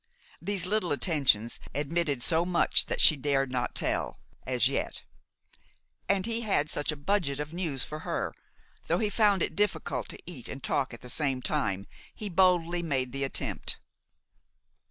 These little attentions admitted so much that she dared not tell as yet. And he had such a budget of news for her! Though he found it difficult to eat and talk at the same time, he boldly made the attempt.